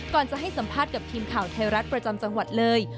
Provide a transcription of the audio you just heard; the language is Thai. ก่อนจะให้สัมภาษณ์กับทีมข่าวไทยรัฐประจำจังหวัดเลย